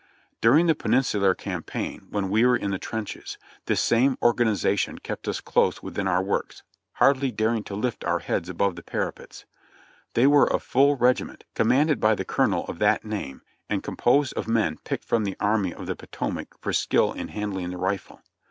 During the Peninsular Campaign, when we were in the trenches, this same organization kept us close within our works, hardly daring to lift our heads above the parapets. They were a full regiment, commanded by the colonel of that name, and com posed of men picked from the Army of the Potomac for skill in handling the rifle.